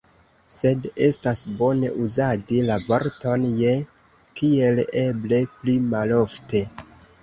Sed estas bone uzadi la vorton « je » kiel eble pli malofte.